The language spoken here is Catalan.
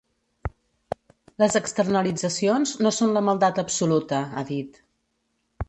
Les externalitzacions no són la maldat absoluta, ha dit.